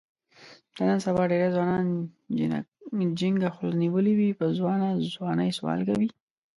د نن سبا ډېری ځوانانو جینګه خوله نیولې وي، په ځوانه ځوانۍ سوال کوي.